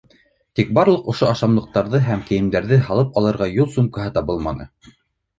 Тик барлыҡ ошо ашамлыҡтарҙы һәм кейемдәрҙе һалып алырға юл сумкаһы табылманы.